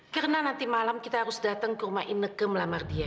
karena nanti malam kita harus datang ke rumah ineke melamar dia